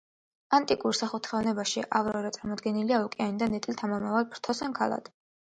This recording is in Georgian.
ანტიკურ სახვით ხელოვნებაში ავრორა წარმოდგენილია ოკეანიდან ეტლით ამომავალ ფრთოსან ქალად.